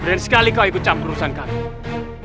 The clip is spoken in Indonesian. berhenti sekali kau ikut campur usaha kami